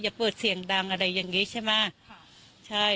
อยากเปิดเสียงดังอะไรแบบนี้ใช่ไหมได้